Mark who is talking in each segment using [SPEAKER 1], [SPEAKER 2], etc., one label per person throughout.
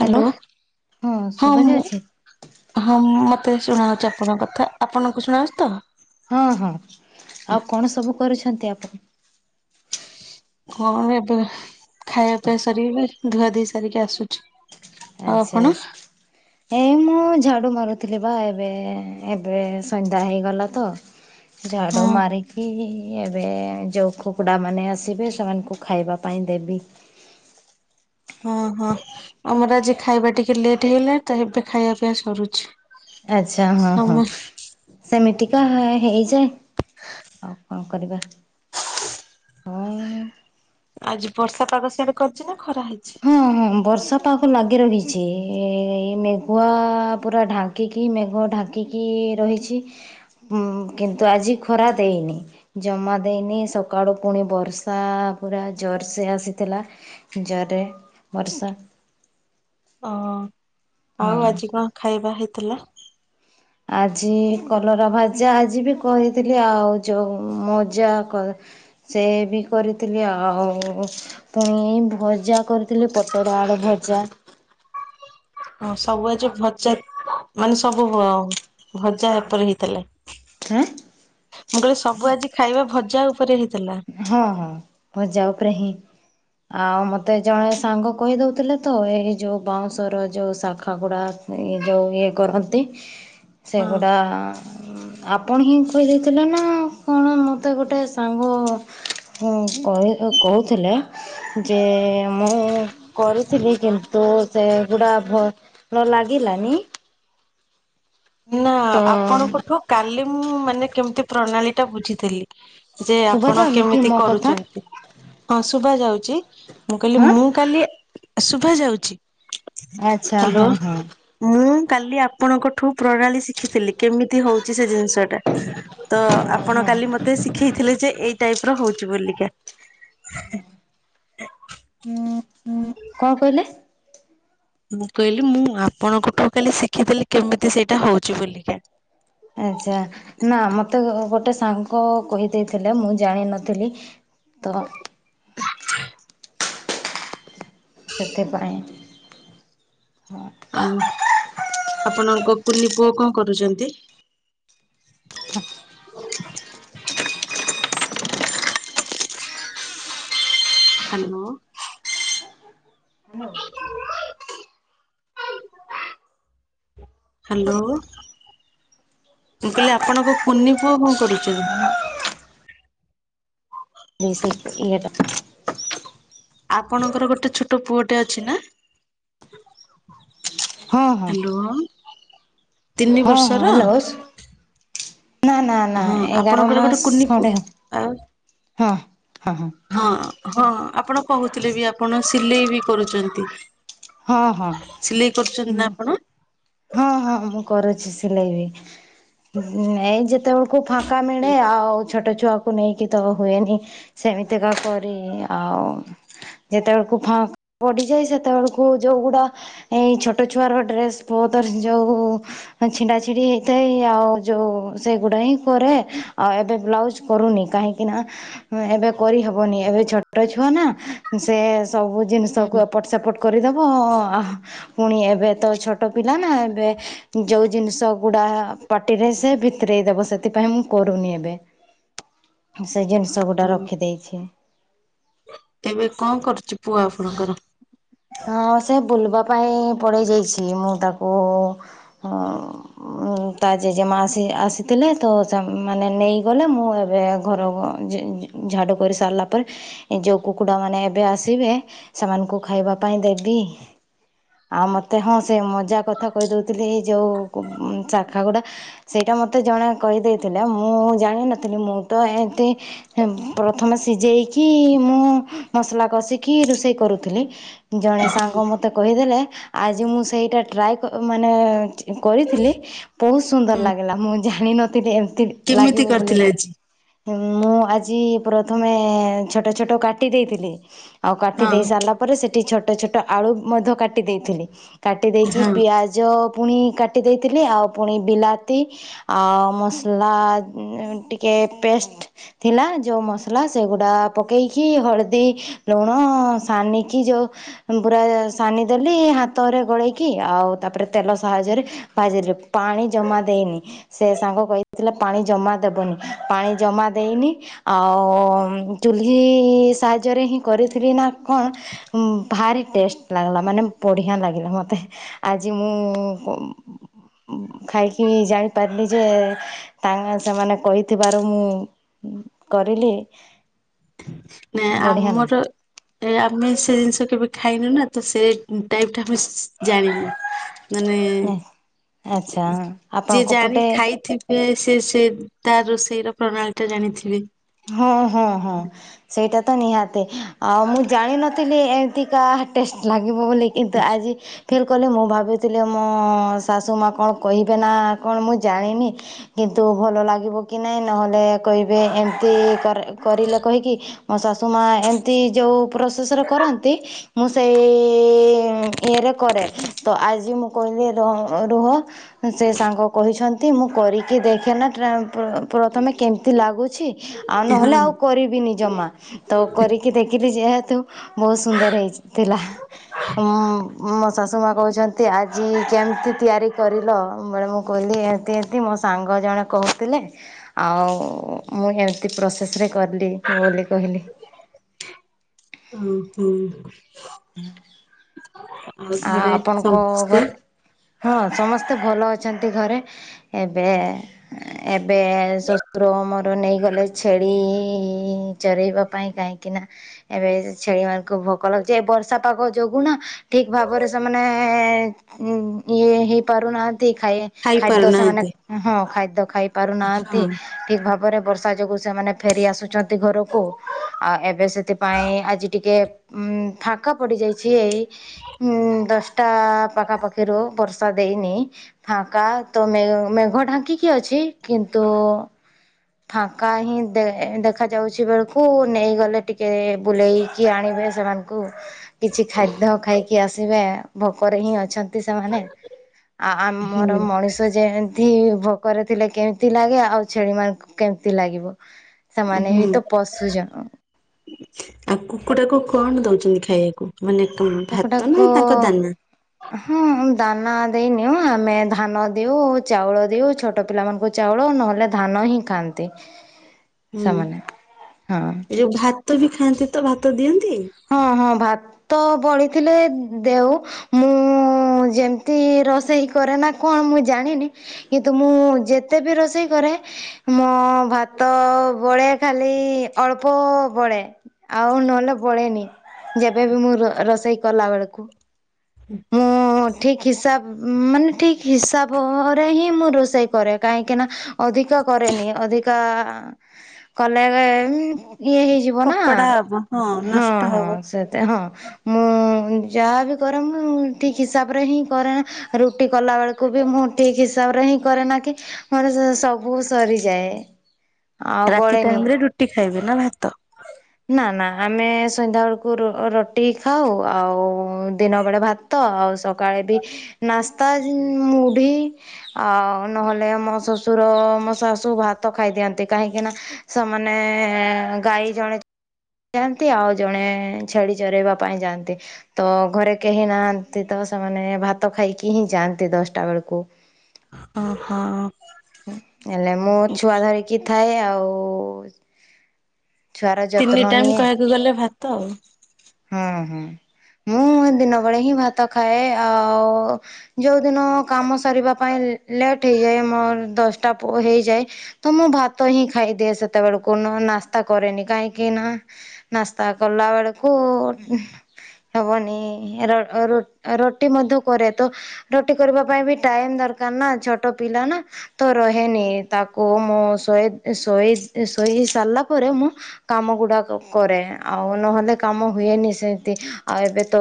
[SPEAKER 1] Hello ହଁ hello. ହଁ ମତେ ଶୁଣାଉଛି ଆପଣଙ୍କ କଥା ଆପଣଙ୍କୁ ଶୁଣାଉଛି ତ।
[SPEAKER 2] ହଁ ହଁ ଆଉ କଣ ସବୁ କରୁଛନ୍ତି ୟା ପରେ
[SPEAKER 1] କଣ ଏବେ ଖାଇବା ପିଇବା ସରିଗଲାଣି ଧୁଆଧୋଇ ସାରିକି ଆସୁଛି। ଆଉ
[SPEAKER 2] ଆଚ୍ଛା
[SPEAKER 1] ଆପଣ
[SPEAKER 2] ଆଚ୍ଛା। ଏଇ ମୁଁ ଝାଡୁ ମାରୁଥିଲି ବା ଏବେ ଏବେ ସନ୍ଧ୍ୟା ହେଇଗଲା ତ। ଝାଡୁ
[SPEAKER 1] ହଁ
[SPEAKER 2] ମାରିକି ଏବେ ଯୋଉ କୁକୁଡ଼ା ମାନେ ଆସିବେ ସେମାନ କୁ ଖାଇବା ପାଇଁ ଦେବି।
[SPEAKER 1] ହଁ ହଁ ଆମର ଆଜି ଖାଇବା ଟିକେ ଲେଟ୍ ହେଇଲା ତ ଏବେ ଖାଇବା ପିଇବା ସରୁଛି।
[SPEAKER 2] ଆଛା ହଁ ହଁ।
[SPEAKER 1] ସମ
[SPEAKER 2] ସେମିତିକା ହା ହେଇଯାଏ ଆଉ କଣ କରିବା? ହଁ
[SPEAKER 1] ଆଜି ବର୍ଷା ପାଗ ସିଆଡେ କରିଛି ନା ଖରା ହେଇଛି।
[SPEAKER 2] ହଁ ହଁ ବର୍ଷା ପାଖ ଲାଗି ରହିଛି ଏଇ ମେଘୁଆ ପୁରା ଢାଙ୍କ ଢାଙ୍କିକି ମେଘ ଢାଙ୍କିକି ରହିଛି କିନ୍ତୁ ଆଜି ଖରା ଦେଇନି। ଜମା ଦେଇନି ସକାଳୁ ପୁଣି ବର୍ଷା ପୁରା ଜୋରସେ ଆସିଥିଲା। ଜୋରେ ବର୍ଷା।
[SPEAKER 1] ଓ
[SPEAKER 2] ହୁଁ।
[SPEAKER 1] ଆଉ ଆଜି କଣ ଖାଇବା ହେଇଥିଲା?
[SPEAKER 2] ଆଜି କଲରା ଭାଜା ଆଜି ବି କହିଥିଲି ଆଉ ଯୋଉ ମଜା ସେ ବି କରିଥିଲି ଆଉ, - ପୁଣି ଏଇ ଭଜା କରିଥିଲି ପଟଳ ଆଡ ଭଜା।
[SPEAKER 1] ହଁ ସବୁଆ ଯେ ଭଜା ମାନେ ସବୁ ଆଉ। ଭଜା ଏପରି ହେଇଥିଲା।
[SPEAKER 2] ଆଁ [inaudible]
[SPEAKER 1] ମୁଁ କହିଲେ ସବୁ ଆଜି ଖାଇବା ଭଜା ଉପରେ ହେଇଥିଲା।
[SPEAKER 2] ହଁ ହଁ ମୁଁ ଯାଉ ଉପ ହିଁ-। ଆଉ ମତେ ଜଣେ ସାଙ୍ଗ କହି ଦଉଥିଲେ ତ ଏଇ ଯୋଉ ବାଉଁଶର ଯୋଉ ଶାଖାଗୁଡା- ଏଇ ଯେଉଁ ଇଏ କରନ୍ତି।
[SPEAKER 1] [inaudible] [unintelligible]
[SPEAKER 2] ସେଗୁଡା- ଆପଣ ହିଁ କହିଦେଇଥିଲେ ନା କଣ ମତେ ଗୋଟେ ସାଙ୍ଗ- ହ କହିବେ କହୁଥିଲେ। ଯେ ମୁଁ କରିଥିଲି। କିନ୍ତୁ ସେଗୁଡା- ଭଲ ଲାଗିଲାନି।
[SPEAKER 1] ନା
[SPEAKER 2] ତ
[SPEAKER 1] ଆପଣଙ୍କଠୁ କାଲି ମୁଁ ମାନେ କେମିତି ପ୍ରଣାଳୀ ଟା ବୁଝିଥିଲି। ଯେ
[SPEAKER 2] ଶୁଭା
[SPEAKER 1] ଆପଣ
[SPEAKER 2] ଯାଉନି କି
[SPEAKER 1] କେମିତି
[SPEAKER 2] ମୋ କଥା
[SPEAKER 1] କରୁଛନ୍ତି। ହଁ ଶୁଭ ଯାଉଛି। ମୁଁ କହିଲି
[SPEAKER 2] ହଁ
[SPEAKER 1] ମୁଁ କାଲି- ଶୁଭା ଯାଉଛି।
[SPEAKER 2] ଆଚ୍ଛା
[SPEAKER 1] ହ୍ୟାଲୋ
[SPEAKER 2] ହଁ ହଁ
[SPEAKER 1] ମୁଁ କାଲି ଆପଣଙ୍କଠୁ- ପ୍ରଣାଳୀ ଶିଖିଥିଲି କେମିତି ହଉଛି ସେ ଜିନିଷ ଟା। ତ
[SPEAKER 2] ହଁ
[SPEAKER 1] ଆପଣ
[SPEAKER 2] ହଁ
[SPEAKER 1] କାଲି ମତେ ଶ- ଶୀଖାଇଥିଲେ ଯେ ଏଇ ଟାଇପ ର ହଉଛି ବୋଲିକା।
[SPEAKER 2] ଉଁ କଣ କହିଲେ?
[SPEAKER 1] ମୁଁ କହିଲି ମୁଁ ଆପଣଙ୍କଠୁ କାଲି ଶିଖିଥିଲି କେମିତି ସେଇଟା ହଉଛି ବୁଲିକା।
[SPEAKER 2] ଆଛା ନା ମତେ ଗୋଟେ ସାଙ୍ଗ କହିଦେଇଥିଲେ ମୁଁ ଜାଣିନଥିଲି। ତ [unintelligible] ସେଥିପାଇଁ ହଁ।
[SPEAKER 1] ଆଉ ଆପଣଙ୍କ କୁନି ପୁଅ କଣ କରୁଛନ୍ତି?
[SPEAKER 2] [unintelligible]
[SPEAKER 1] ହ୍ୟାଲୋ [unintelligible] ହ୍ୟାଲୋଓ ମୁଁ କହିଲି ଆପଣଙ୍କ କୁନି ପୁଅ କଣ କରୁଛନ୍ତି?
[SPEAKER 2] ଦେ ସେ ଇଏଟା।
[SPEAKER 1] ଆପଣଙ୍କର ଗୋଟେ ଛୋଟ ପୁଅଟେ ଅଛି ନା?
[SPEAKER 2] ହଁ ହଁ।
[SPEAKER 1] ହ୍ୟାଲୋଓ
[SPEAKER 2] ହଁ ହଁ ହ୍ୟାଲୋ ନା ନା ନା
[SPEAKER 1] ହଁ
[SPEAKER 2] ଏଗାର
[SPEAKER 1] ଆପଣଙ୍କର ଗୋଟେ କୁନି
[SPEAKER 2] ମାସ
[SPEAKER 1] ପୁଅ
[SPEAKER 2] ଖଣ୍ଡେ ହ।
[SPEAKER 1] ଆଉ
[SPEAKER 2] ହଁ ହଁ ହଁ
[SPEAKER 1] ହଁ ହଁ ଆପଣ କହୁଥିଲେ ବି ଆପଣ ସିଲେଇ ବି କରୁଛନ୍ତି।
[SPEAKER 2] ହଁ ହଁ
[SPEAKER 1] ସିଲେଇ କରୁଛନ୍ତି
[SPEAKER 2] ମୁଁ
[SPEAKER 1] ନା ଆପଣ?
[SPEAKER 2] ହଁ ହଁ ମୁଁ କରୁଛି ସିଲେଇ ବି ଏଇ ଯେତେବେଳେ କୁ ଫାଙ୍କା ମିଳେେ ଆଉ ଛୋଟ ଛୁଆକୁ କୁ ନେଇକି ତ ହୁଏନି ସେମିତିକା କରି ଆଉ ଯେତେବେଳକୁ ଫ ପଡିଯାଏ ସେତେବେଳକୁ ଯୋଉ ଗୁଡା ଏଇ ଛୋଟ ଛୁଆର ଡ୍ରେସ- ବଉଦର ଯୋଉ [unintelligible] [inaudible] ଛିଣ୍ଡା ଛିଡି ହେଇଥାଏ ଆଉ ଯୋଉ ସେଗୁଡା ହିଁ କରେ ଆଉ ଏବେ ବ୍ଲାଉଜ କରୁନି କାହିଁକି, ଏଇନା ଏବେ କରିହବନି ଏବେ ଛୋଟ ଛୁଆ ନା ସେ ସବୁ
[SPEAKER 1] ହୁଁ
[SPEAKER 2] ଜିନିଷକୁ ଏପଟ ସେପଟ କରିଦେବ ଓହୋ ପୁଣି ଏବେ ତ ଛୋଟ ଛୋଟ ପିଲା ନା ଏବେ ଯୋଉ ଜିନିଷ ଗୁଡା ଆ ପାଟିରେ ସେ ଭିତରେଇ ଦବ ସେଥିପାଇଁ ମୁଁ କରୁନି ଏବେ
[SPEAKER 1] [unintelligible]
[SPEAKER 2] ସେ ଜିନିଷ ଗୁଡା
[SPEAKER 1] ହଁ
[SPEAKER 2] ରଖି ଦେଇଛି।
[SPEAKER 1] ଏବେ କଣ କରୁଚି ପୁଅ ଆପଣଙ୍କର?
[SPEAKER 2] ହଁ ସେ ବୁଲିବା ପାଇଁ ପଳେଇ ଯାଇଚି। ମୁଁ ତାକୁ ଉ ତା ଜେଜେମା ଆସି ଆସିଥିଲେ ତ ମାନେ ନେଇଗଲେ ମୁଁ ଏବେ ଘର ଯେ ଝାଡ଼ୁ କରି ସାରିଲା ପରେ ଏ ଯୋଉ କୁକୁଡା ମାନେ ଏବେ ଆସିବେ ସେମାନଙ୍କୁ ଖାଇବା ପାଇଁ ଦେବି। ଆଉ ମୋତେ ହଁ ସେ ମଜା କଥା କହିଦେଉଥିଲି ଏଇ ଯେଉ ଶାଖାଗୁଡ଼ା ସେଇଟା ମତେ ଜଣେ କହିଦେଇଥିଲେ। ମୁଁ ଜାଣିନଥିଲି। ମୁଁ ତ ଏନ୍ତି ପ୍ରଥମେ ସିଝେଇକି ମୁଁ ମସଲା କଷିକି ରୋଷେଇ କରୁଥିଲି। ଜଣେ ସାଙ୍ଗ ମୋ ମତେ କହିଦେଲେ। ଆଜି ମୁଁ ସେଇଟା ଟ୍ରାଏ ମାନେ କରିଥିଲି। ବହୁତ ସୁନ୍ଦର
[SPEAKER 1] ହୁଁ
[SPEAKER 2] ଲାଗିଲା। ମୁଁ ଜାଣିନଥିଲି ଏମତି
[SPEAKER 1] କେମିତି
[SPEAKER 2] ଲାଗିବ ବୋଲି।
[SPEAKER 1] କରିଥିଲେ ଆଜି?
[SPEAKER 2] ମୁଁ ଆଜି ପ୍ରଥମେ ଛୋଟ ଛୋଟ କାଟି ଦେଇଥିଲି। ଆଉ କାଟି
[SPEAKER 1] ହଁ
[SPEAKER 2] ଦେଇ ସାରିଲା ପ ପରେ ସେଠି ଛୋଟ ଛୋଟ ଆଳୁ ମଧ୍ୟ କାଟି ଦେଇଥିଲି। କାଟି ଦେଇକି
[SPEAKER 1] ହଁ
[SPEAKER 2] ପିଆଜ ପୁଣି କାଟି ଦେଇଥିଲି। ଆଉ ପୁଣି ବିଲାତି ଆଉ ମସଲା ଟିକେ ପେଷ୍ଟ ଥିଲା ଯେଉଁ ମସଲା ସେଗୁଡ଼ା ପକେଇକି ହଳଦୀ ଲୁଣ ସାନିକି ଯେଉଁ ପୁରା ସାନି ଦେଲି ହାତରେ ଗୋଳେଇକି। ଆଉ ତାପରେ ତେଲ ସାହାଯ୍ୟରେ ଭାଜିଲି। ପାଣି ଜମା ଦେଇନି। ସେ ସାଙ୍ଗ କହିଥିଲା ପାଣି ଜମା ଦେବନି। ପାଣି ଜମା ଦେଇନି। ଆଉ ଚୁ୍ଲି ସାହାଯ୍ୟରେ ହିଁ କରିଥିଲି ନା କଣ ଭାରି ଟେଷ୍ଟ ଲାଗିଲା ମାନେ ବଢ଼ିଆ ଲାଗିଲା। ମୋତେ ଆଜି ମୁଁ ଖାଇକି ଜାଣିପାରିଲି ଯେ ତାଙ୍କ ସେମାନେ କହିଥିବାରୁ ମୁଁ କରିଲି।
[SPEAKER 1] ନା
[SPEAKER 2] ବଢ଼ିଆ
[SPEAKER 1] ଆମର ଏ ଆମେ ସେ ଜିନିଷ କେବେ ଖାଇନୁ ନା ତ ସେ ଟାଇପ ଟା ଆମେ ଜାଣିନୁ। ମାନେ,
[SPEAKER 2] ଲାଗେ ଆଚ୍ଛା ଆପଣଙ୍କ
[SPEAKER 1] ଯିଏ ଜାଣି
[SPEAKER 2] ପଟେ
[SPEAKER 1] ଖାଇଥି ସେ ସେ ସେ ତ ରୋଷେଇ ର ପ୍ରଣାଳୀ ଟା ଜାଣିଥିବେ।
[SPEAKER 2] ହଁ ହଁ ହଁ। ସେଇଟା ତ ନିହାତି। ଆଉ ମୁଁ ଜାଣିନଥିଲି ଏମିତିକା ଟେଷ୍ଟ ଲାଗିବ ବୋଲି। କିନ୍ତୁ ଆଜି ଫିଲ୍ କଲି ମୁଁ ଭାବିଥିଲି ମୋ ଶାଶୁ ମା କଣ କହିବେ ନା କଣ ମୁଁ ଜାଣିନି। କିନ୍ତୁ ଭଲ ଲାଗିବ କି ନାଇଁ ନହେଲେ କହିବେ ଏମତି କରିଲ କହିକି ମୋ ଶାଶୁ ମା ଏମିତି ଯେଉଁ ପ୍ରୋସେସ୍ ରେ କରନ୍ତି ମୁଁ ସେଇ ଇଏ ରେ କରେ। ତ ଆଜି ମୁଁ କହିଲି ରୁହ। ସେ ସାଙ୍ଗ କହିଛନ୍ତି ମୁଁ କରିକି ଦେଖେନା ଟ୍ରା ପ୍ରଥମେ କେମିତି ଲାଗୁଛି। ଆଉ ନହେଲେ
[SPEAKER 1] ହଁ
[SPEAKER 2] ଆଉ କରିବିନି ଜମା। ତ କରିକି ଦେଖିଲି ଯେହେତୁ ବହୁତ ସୁନ୍ଦର ହେଇଥିଲା। ମୋ ଶାଶୁ ମା କହୁଛନ୍ତି ଆ କେମିତି ତିଆରି କରିଲ। ମାନେ ମୁଁ କହିଲି ଏମତି ଏତି ମୋ ସାଙ୍ଗ ଜଣେ କହୁଥିଲେ ଆଉ ମୁଁ ହେମିତି ପ୍ରୋସେସ ରେ କଲି ବୋଲି କହିଲି।
[SPEAKER 1] ଅ ହଁ। ଆଉ
[SPEAKER 2] ଆ
[SPEAKER 1] ଘରେ
[SPEAKER 2] ଆପଣଙ୍କ
[SPEAKER 1] ସମସ୍ତେ
[SPEAKER 2] ଘରେ ହଁ ସମସ୍ତେ ଭଲ ଅଛନ୍ତି ଘରେ। ଏବେ ଏବେ ଶଶୁର ମୋର ନେଇଗଲେ ଛେଳି। ଚରେଇବା ପାଇଁ। କାହିଁକି ନା ଏବେ ଛେଳି ମାନଙ୍କୁ ଭୋକ ଲାଗୁଛି ଏ ବର୍ଷା ପାଗ ଯୋଗୁ ନା ଠିକ୍ ଭାବରେ ସେମାନେ ଇଏ ହେଇପାରୁନାହାନ୍ତି। ଖାଇ ଖାଦ୍ୟ ସେମାନେ ହଁ ଖାଦ୍ୟ ଖାଇ ପାରୁନାହାନ୍ତି। ଠିକ୍ ଭାବରେ ବର୍ଷା ଯୋଗୁ ସେମାନେ ଫେରି ଆସୁଛନ୍ତି ଘରକୁ। ଆଉ ଏବେ ସେଥିପାଇଁ ଆଜି ଟିକେ ଉଁ ଫାଙ୍କ ପଡି ଯାଇଚି। ଏଇ ହୁଁ ଦଶଟା ପାଖାପାଖିରୁ ବର୍ଷା ଦେଇନି। ଫାଙ୍କା ତ ମେ ମେଘ ଢାଙ୍କିକି ଅଛି କିନ୍ତୁ ଫାଙ୍କା ହିଁ ଦେଖାଯାଉଛି ବେଳକୁ ନେଇଗଲେ ଟିକେ ବୁଲେଇ କି ଆଣିବେ ସେମାନଙ୍କୁ କିଛି ଖାଦ୍ୟ ଖାଇକି ଆସିବେ ଭୋକରେ ହିଁ ଅଛନ୍ତି। ସେମାନେ ଆ ଆମର ମଣିଷ। ତ ଯେମିତି ଭୋକରେ ଥିଲେ କେମିତି ଲାଗେ ଆଉ ଛେଳି ମାନଙ୍କୁ କେମିତି ଲାଗିବ? ସେମାନେ
[SPEAKER 1] ହୁଁ
[SPEAKER 2] ବି ତ ପଶୁ ଜ
[SPEAKER 1] ଆଉ କୁକୁଡ଼ା କୁ କଣ ଦଉଛନ୍ତି ଖାଇବାକୁ ମାନେ ଭାତ ନା
[SPEAKER 2] କୁକୁଡ଼ାକୁ
[SPEAKER 1] ତାଙ୍କ ଦାନା?
[SPEAKER 2] ହଁ ଦାନା ଦେଇନିଉ ଆମେ ଧାନ ଦଓଉ ଚାଉଳ ଦଓଉ ଛୋଟ ପିଲାମାନଙ୍କୁ ଚାଉଳ ନହେଲେ ଧାନ ହିଁ ଖାଆନ୍ତି।
[SPEAKER 1] ହୁଁ
[SPEAKER 2] ସେମାନେ ହଁ
[SPEAKER 1] ଏ ଯୋଉ ଭାତ ବି ଖାଆନ୍ତି ତ ଭାତ ଦିଅନ୍ତି।
[SPEAKER 2] ହଁ ହଁ ଭାତ ବଳିଥିଲେ ଦେଉ। ମୁଁ ଯେମିତି ରୋଷେଇ କରେ ନା କଣ ମୁଁ ଜାଣିନି। କିନ୍ତୁ ମୁଁ ଯେତେ ବି ରୋଷେଇ କରେ ମୋ ଭାତ ବଳେ ଖାଲି ଅଳ୍ପ ବଳେ। ଆଉ ନହେଲେ ବଳେନି ଯେବେବି ମୁଁ ରୋଷେଇ କଲା ବେଳକୁ।
[SPEAKER 1] [inaudible]
[SPEAKER 2] ଠିକ୍ ହିସାବ ମାନେ ଠିକ୍ ହିସାବରେ ହିଁ ମୁଁ ରୋଷେଇ କରେ କାହିଁକିନା ଅଧିକ କରେନି ଅଧିକା କଲେ ଇଏ ହେଇଯି ବନା
[SPEAKER 1] ଫୋପଡା ହବ
[SPEAKER 2] ହଁ
[SPEAKER 1] ନଷ୍ଟ
[SPEAKER 2] ହଁ
[SPEAKER 1] ହବ
[SPEAKER 2] ସେତ ହଁ ମୁଁ ଯାହାବି କରେ ମୁଁ ଠିକ୍ ହିସାବରେ ହିଁ କରେ ରୁଟି କଲାବେେଳକୁ ବି ମୁଁ ଠିକ୍ ହିସାବରେ ହିଁ କରେନା କି ମୋର ସବୁ ସରିଯାଏ। ଆଉ
[SPEAKER 1] ରାତି
[SPEAKER 2] ବଳେନି
[SPEAKER 1] ଟାଇମ ରେ ରୁଟି ଖାଇବ ନା ଭାତ?
[SPEAKER 2] ନା ନା ଆମେ ସନ୍ଧ୍ୟା ବେଳକୁ ରୁଟି ଖାଉ ଆଉ ଦିନ ବେଳେ ଭା ତ ଆଉ ସକାଳେ ବି ନାସ୍ତା ଯୋଉ ମୁଢ଼ି। ଆଉ ନହେଲେ ମୋ ଶଶୁର ମୋ ଶାଶୁ ଭାତ ଖାଇଦିଅନ୍ତି କାହିଁକି ନା ସେମାନେ ଗାଈ ଜଣେ ଯାଆନ୍ତି ଆଉ ଜଣେ ଛେଳି ଚରାଇବା ପାଇଁ ଯାଆନ୍ତି। ତ ଘରେ କେହି ନାହାନ୍ତି ତ ସେମାନେ ଭାତ ଖାଇକି ହିଁ ଯାଆନ୍ତି ଦଶଟା ବେଳକୁ।
[SPEAKER 1] ଓହୋ।
[SPEAKER 2] ହେଲେ ମୁଁ ଛୁଆ ଧରିକି ଥାଏ ଆଉ। ଛୁଆର ଯତ୍ନ
[SPEAKER 1] ତିନି ଟାଇମ୍ କହିବାକୁ ଗଲେ ଭାତ ଆଉ।
[SPEAKER 2] ହଁ ହଁ ମୁଁ ଦିନ ବେଳେ ହିଁ ଭାତ ଖାଏ ଆଉ ଯୋଉ ଦିନ କାମ ସରିବା ପାଇଁ ଲେଟ ହେଇଯାଏ ମୋ ଦଶଟା ହେଇଯାଏ। ତ ମୁଁ ଭାତ ହିଁ ଖାଇଦିଏ ସେତେବେଳକୁ ନ ନାସ୍ତା କରେନି କାହିଁକି ନା? ନସ୍ତା କଲା ବେଳକୁ ହବନି ର ରୁଟି ମଧ୍ୟ କରେ ତ ରୋଟି କରିବା ପାଇଁ ବି ଟାଇମ ଦରକାର ନା ଛୋଟ ପିଲା ନା। ତ ରହେନି ତାକୁ ମୁଁ ଶୋଇ ଶୋଇ ସାରିଲା ପରେ ମୁଁ କାମ ଗୁଡ଼ାକ କରେ ଆଉ ନହେଲେ କାମ ହୁଏନି ସେମତି ଆଉ ଏବେ ତ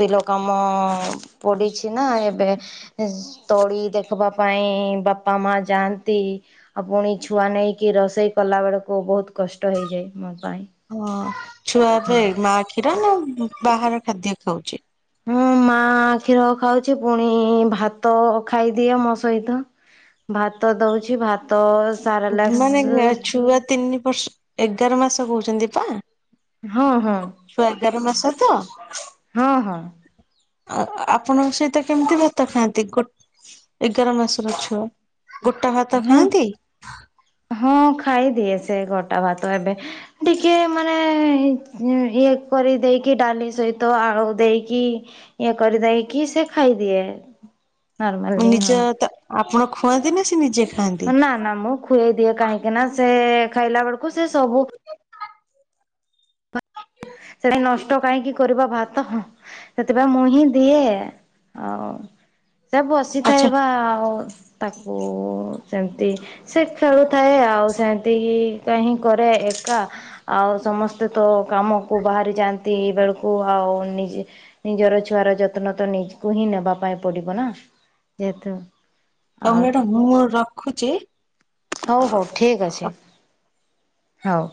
[SPEAKER 2] ବିଲ କାମ। ପଡିଛି ନା ଏବେ ତଳି ଦେଖବା ପାଇଁ ବାପା ମା ଯାଆନ୍ତି। ଆଉ ପୁଣି ଛୁଆ ନେଇକି ରୋଷେଇ କଲା ବେଳକୁ ବହୁତ କଷ୍ଟ ହେଇଯାଏ ମୋ ପାଇଁ
[SPEAKER 1] ହଁ ଛୁଆଏବେ ମା କ୍ଷୀର ନା ବାହାର ଖାଦ୍ୟ ଖାଉଛି?
[SPEAKER 2] ହଁ ମା କ୍ଷୀର ଖାଉଛି ପୁଣି ଭାତ ଖାଇଦିଅ ମୋ ସହିତ। ଭାତ ଦଉଛି ଭାତ
[SPEAKER 1] ମାନେ
[SPEAKER 2] ସାରଲାକ୍ସ
[SPEAKER 1] ଛୁଆ ତିନି ବର୍ଷ ଏଗାର ମାସ କହୁଛନ୍ତି ପା?
[SPEAKER 2] ହଁ ହଁ
[SPEAKER 1] ଛୁଆ ଏଗାର ମାସ ତ
[SPEAKER 2] ହଁ ହଁ।
[SPEAKER 1] ଆ ଆପଣଙ୍କ ସହିତ କେମିତି ଭାତ ଖାଆନ୍ତି ଗୋେ ଏଗାର ମାସର ଛୁଅ? ଗୋଟା ଭାତ
[SPEAKER 2] ହଁ
[SPEAKER 1] ଖାଆନ୍ତି?
[SPEAKER 2] ହଁ ଖାଇଦିଏ ସେ ଗୋଟା ଭାତ ଏବେ ଟିକେ ମାନେ ଇଏ କରି ଦେଇକି ଡାଲି ସହିତ ଆଳୁ ଦେଇକି ଇଏ କରିଦେଇକି ସେ ଖାଇଦିଏ। ନର୍ମାଲି
[SPEAKER 1] ନିଜ
[SPEAKER 2] ହଁ।
[SPEAKER 1] ତ ଆପଣ ଖୁଆନ୍ତି ନା ସେ ନିଜେ ଖାଆନ୍ତି?
[SPEAKER 2] ନା ନା ମୁଁ ଖୁଆଇ ଦିଏ କାହିଁକି ନା ସେ ଖାଇଲା ବେଳକୁ ସେ ସବୁ ସେଟା ନଷ୍ଟ କାହିଁକି କରିବା ଭାତ ସେଥିପାଇଁ ମୁଁ ହିଁ ଦିଏ ଆଉ ସେ ବସିଥାଏ
[SPEAKER 1] ଆଚ୍ଛା
[SPEAKER 2] ବା ଆଉ ତାକୁ ସେମିତି ସେ ଖେଳୁଥାଏ ଆଉ ସେମିତି କି କାହିଁ କରେ ଏକା ଆଉ ସମସ୍ତେ ତ କାମ କୁ ବାହାରି ଯାଆନ୍ତି ବେଳକୁ ଆଉ ନିଜେ ନିଜର ଛୁଆର ଯତ୍ନ ତ ନିଜକୁ ହିଁ ନେବା ପାଇଁ ପଡିବ ନା। ଯେହେତୁ
[SPEAKER 1] ହୋଉ
[SPEAKER 2] ଆଉ
[SPEAKER 1] ମ୍ୟାଡ଼ାମ ମୁଁ ରଖୁଚି।
[SPEAKER 2] ହଉ ହଉ ଠିକ୍ ଅଛି ହଉ।